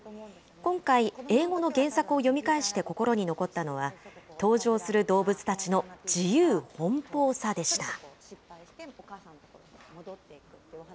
今回、英語の原作を読み返して心に残ったのは、登場する動物たちの自由奔放さでした。